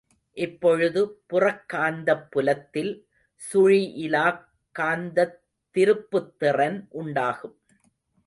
இப்பொழுது புறக்காந்தப் புலத்தில் சுழியிலாக் காந்தத் திருப்புத்திறன் உண்டாகும்.